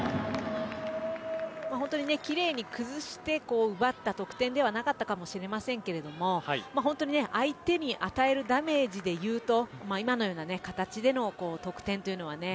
本当に奇麗に崩して奪った得点ではなかったかもしれませんが本当に相手に与えるダメージで言うと今のような形での得点というのはね。